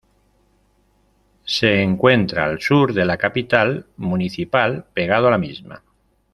Se encuentra al sur de la capital municipal, pegado a la misma.